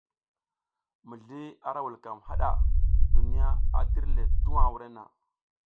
Mizli ara vulkam hada, duniya a tir le tuwa wurenna.